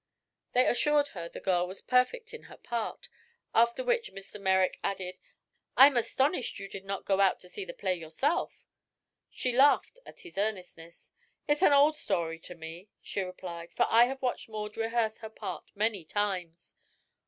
They assured her the girl was perfect in her part, after which Mr. Merrick added: "I'm astonished you did not go out to see the play yourself." She laughed at his earnestness. "It's an old story to me," she replied, "for I have watched Maud rehearse her part many times.